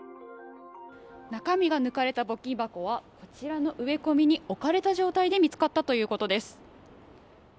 中身が抜かれた募金箱はこちらの植え込みに置かれた状態で見つかったということです。